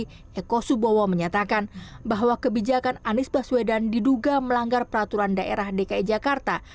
eko subowo menyatakan bahwa kebijakan anies baswedan diduga melanggar peraturan daerah dki jakarta